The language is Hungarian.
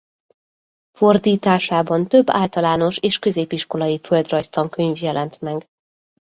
Fordításában több általános és középiskolai földrajz tankönyv jelent meg.